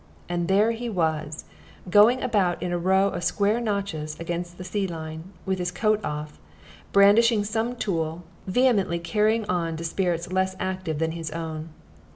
And there he was, going about in a row of square notches against the sea line, with his coat off, and brandishing some tool, vehemently carrying on to spirits less active than his own.